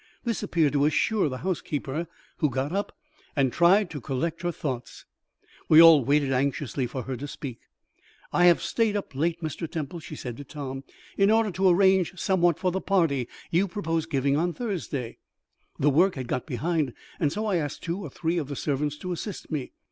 This appeared to assure the housekeeper, who got up and tried to collect her thoughts. We all waited anxiously for her to speak. "I have stayed up late, Mr. Temple," she said to Tom, "in order to arrange somewhat for the party you propose giving on Thursday. The work had got behind, and so I asked two or three of the servants to assist me."